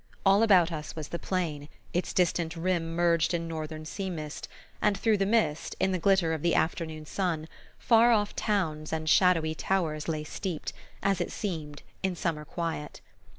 All about us was the plain, its distant rim merged in northern sea mist; and through the mist, in the glitter of the afternoon sun, far off towns and shadowy towers lay steeped, as it seemed, in summer quiet.